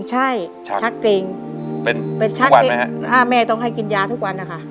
ถ้าแม่ต้องให้กินยาทุกวัน